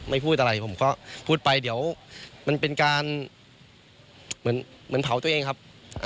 พูดอะไรผมก็พูดไปเดี๋ยวมันเป็นการเหมือนเผาตัวเองครับ